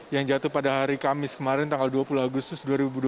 yang jatuh pada hari kamis kemarin tanggal dua puluh agustus dua ribu dua puluh